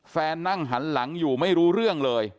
นั่งหันหลังอยู่ไม่รู้เรื่องเลย